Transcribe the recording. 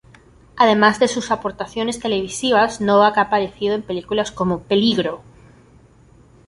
Además de sus aportaciones televisivas, Novak ha aparecido en películas como "Peligro!